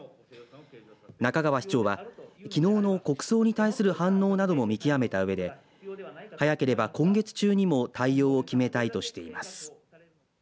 仲川市長はきのうの国葬に対する反応なども見極めたうえで早ければ今月中にも対応を決めたいとしています。